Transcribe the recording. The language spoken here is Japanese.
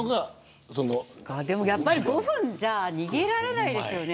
やっぱり５分じゃ逃げられないですよね。